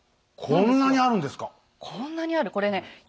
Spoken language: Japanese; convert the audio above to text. こんなにある。